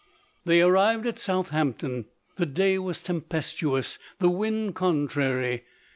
They arrived at Southampton ; the day was tempestuous, the wind contrary.